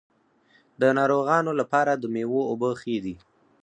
د ناروغانو لپاره د میوو اوبه ښې دي.